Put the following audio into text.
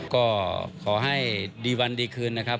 ก็ขอให้ดีวันดีคืนนะครับ